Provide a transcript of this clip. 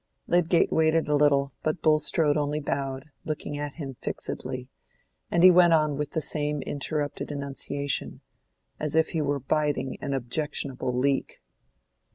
Lydgate waited a little, but Bulstrode only bowed, looking at him fixedly, and he went on with the same interrupted enunciation—as if he were biting an objectional leek.